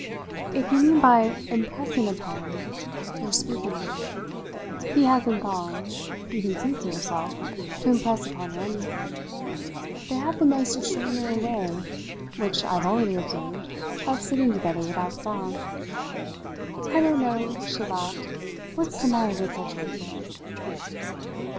"If you mean by 'impressing upon' her speaking to her, he hasn't gone you can see for yourself to impress upon her anything; they have the most extraordinary way, which I've already observed, of sitting together without sound. I don't know," she laughed, "what's the matter with such people!"